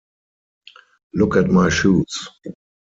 Look at my shoes.